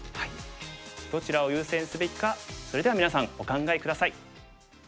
どちらを優先すべきかそれではみなさんお考え下さい。